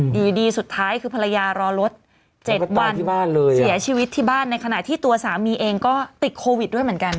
อยู่ดีสุดท้ายคือภรรยารอรถ๗วันเสียชีวิตที่บ้านในขณะที่ตัวสามีเองก็ติดโควิดด้วยเหมือนกัน